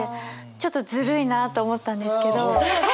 ちょっとずるいなあと思ったんですけど。